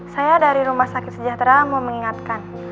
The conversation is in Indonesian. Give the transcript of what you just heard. saya dari rumah sakit sejahtera mau mengingatkan